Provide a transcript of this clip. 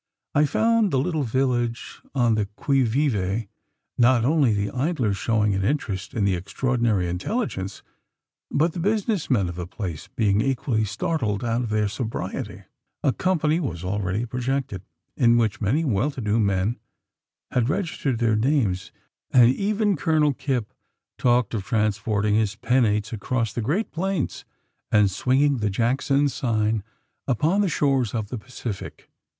I found the little village on the qui vive: not only the idlers showing an interest in the extraordinary intelligence; but the business men of the place being equally startled out of their sobriety. A "company" was already projected, in which many well to do men had registered their names; and even Colonel Kipp talked of transporting his penates across the great plains, and swinging the Jackson sign upon the shores of the Pacific.